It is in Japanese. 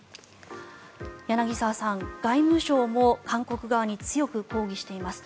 柳澤さん、外務省も韓国側に強く抗議しています。